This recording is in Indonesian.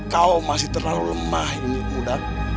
kau masih terlalu lemah ini mudah